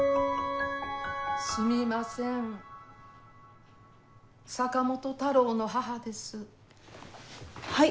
・すみません・・坂本太郎の母です・はい。